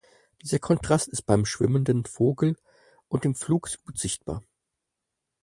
Dieser Kontrast ist beim schwimmenden Vogel und im Flug gut sichtbar.